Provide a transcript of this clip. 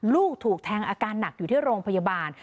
ลูกถูกแทงอาการหนักอยู่ที่โรงพยาบาล